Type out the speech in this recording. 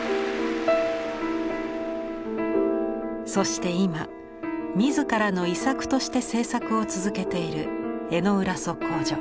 そして今自らの「遺作」として制作を続けている江之浦測候所。